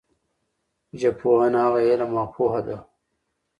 ژبپوهنه هغه علم او پوهه ده